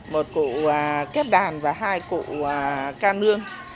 một cụ kép đàn và hai cụ ca nương